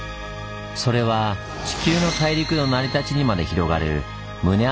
それは地球の大陸の成り立ちにまで広がる胸